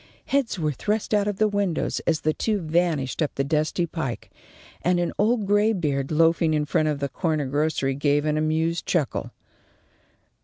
Heads were thrust out of the windows as the two vanished up the dusty pike, and an old graybeard loafing in front of the corner grocery gave an amused chuckle.